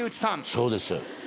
そうです。